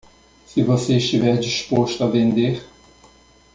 Se você estiver disposto a vender